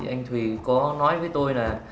anh thùy có nói với tôi